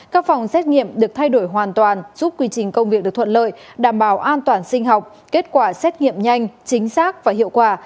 các phòng xét nghiệm được thay đổi hoàn toàn giúp quy trình công việc được thuận lợi đảm bảo an toàn sinh học kết quả xét nghiệm nhanh chính xác và hiệu quả